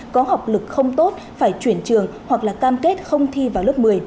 có học lực không tốt phải chuyển trường hoặc là cam kết không thi vào lớp một mươi